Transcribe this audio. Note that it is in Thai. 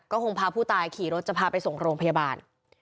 คงพาผู้ตายขี่รถจะพาไปส่งโรงพยาบาล